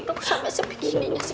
loh sampe sebeginininya sih